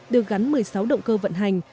được gắn một mươi sáu động cơ vận hành